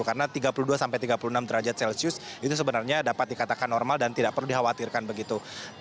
karena tiga puluh dua sampai tiga puluh enam derajat celcius itu sebenarnya dapat dikatakan normal dan tidak perlu dikhawatirkan begitu